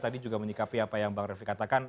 tadi juga menyikapi apa yang bang refli katakan